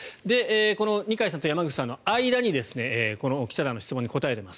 この二階さんと山口さんの間にこの記者団の質問に答えています。